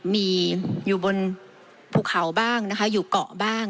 มีอยู่บนภูเขาบ้างนะคะอยู่เกาะบ้าง